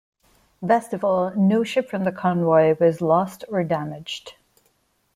Best of all, no ship from the convoy was lost or damaged.